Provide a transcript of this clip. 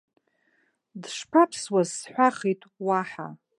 Дышԥаԥсуаз, сҳәахит, уаҳа!